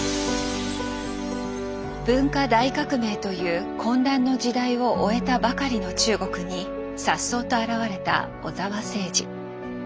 文化大革命という混乱の時代を終えたばかりの中国にさっそうと現れた小澤征爾。